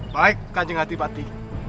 baik kanjeng adipati